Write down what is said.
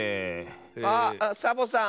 あっサボさん！